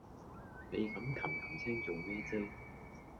你咁擒擒青做咩啫